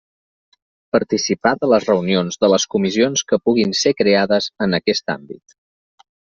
Participar de les reunions de les comissions que puguin ser creades en aquest àmbit.